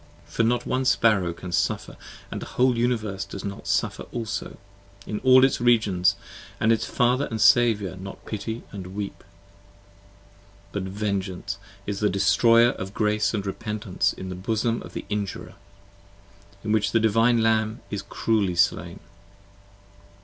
For not one sparrow can suffer, & the whole Universe not suffer also, In all its Regions, & its Father & Saviour not pity and weep. 10 But Vengeance is the destroyer of Grace & Repentence in the bosom Of the Injurer: in which the Divine Lamb is cruelly slain!